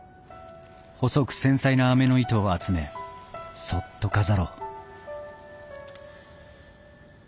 細く繊細なあめの糸を集めそっと飾ろう